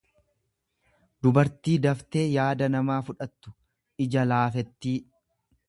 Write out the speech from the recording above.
dubartii daftee yaada namaa fudhattu, ija laafettii.